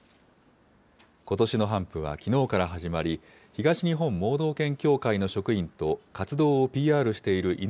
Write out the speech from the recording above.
ことしの頒布はきのうから始まり、東日本盲導犬協会の職員と活動をＰＲしている犬